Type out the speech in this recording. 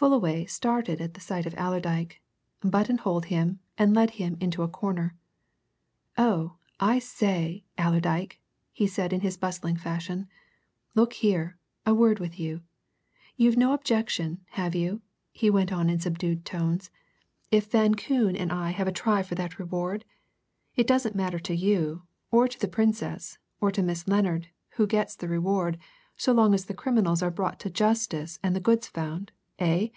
Fullaway started at sight of Allerdyke, button holed him, and led him into a corner. "Oh, I say, Allerdyke!" he said, in his bustling fashion. "Look here, a word with you. You've no objection, have you?" he went on in subdued tones, "if Van Koon and I have a try for that reward? It doesn't matter to you, or to the Princess, or to Miss Lennard, who gets the reward so long as the criminals are brought to justice and the goods found eh?